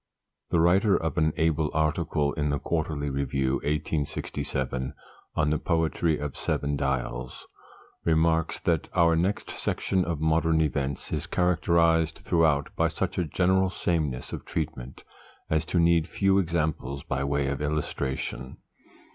_ The writer of an able article in the Quarterly Review, 1867, on "The Poetry of Seven Dials," remarks that 'Our next section of 'Modern Events' is characterised throughout by such a general sameness of treatment as to need few examples by way of illustration.